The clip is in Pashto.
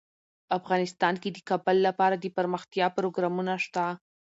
افغانستان کې د کابل لپاره دپرمختیا پروګرامونه شته.